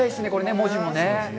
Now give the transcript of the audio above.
文字もね。